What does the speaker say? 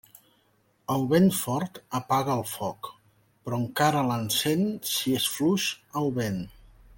El vent fort apaga el foc, però encara l'encén si és fluix el vent.